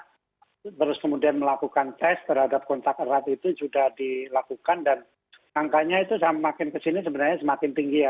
terus kemudian melakukan tes terhadap kontak erat itu sudah dilakukan dan angkanya itu semakin kesini sebenarnya semakin tinggi ya